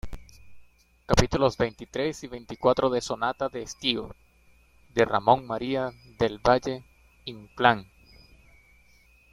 capítulos veintitrés y veinticuatro de Sonata de Estío, de Ramón María del Valle-Inclán.